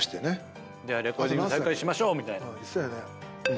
じゃあレコーディング再開しましょう！みたいな。